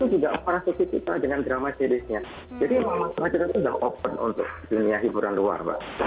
juga parasitik kita dengan drama seriesnya jadi memang sudah open untuk dunia hiburan luar